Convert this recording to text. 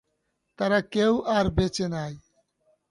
তারা কেউ আর বেঁচে নেই!